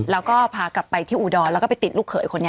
แล้วก็พากลับไปที่อุดรแล้วก็ไปติดลูกเขยคนนี้